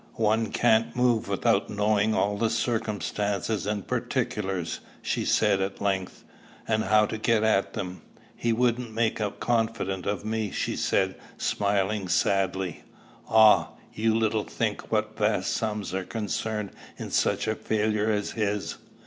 "One can't move without knowing all the circumstances and particulars," she said at length. "And how to get at them? He wouldn't make a confidante of me," she said, smiling sadly. "Ah! you little think what vast sums are concerned in such a failure as his!"